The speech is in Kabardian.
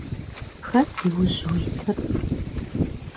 Хэт зиужь уитыр?